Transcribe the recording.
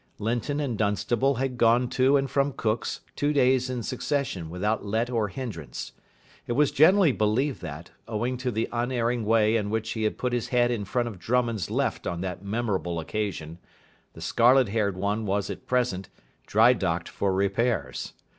Linton and Dunstable had gone to and from Cook's two days in succession without let or hindrance. It was generally believed that, owing to the unerring way in which he had put his head in front of Drummond's left on that memorable occasion, the scarlet haired one was at present dry docked for repairs.